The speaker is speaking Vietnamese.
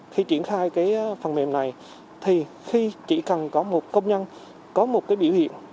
khi triển khai phần mềm này khi chỉ cần có một công nhân có một biểu hiện